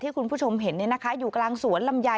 คุณผู้ชมเห็นอยู่กลางสวนลำไย